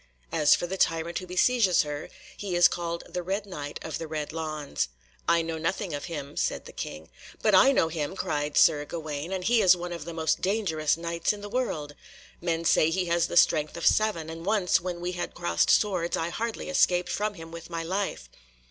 As for the tyrant who besieges her, he is called the Red Knight of the Red Lawns." "I know nothing of him," said the King. "But I know him," cried Sir Gawaine, "and he is one of the most dangerous Knights in the world. Men say he has the strength of seven, and once when we had crossed swords I hardly escaped from him with my life."